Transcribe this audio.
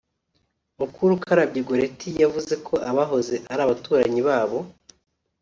Mukurukarabye Goretti yavuze ko abahoze ari abaturanyi babo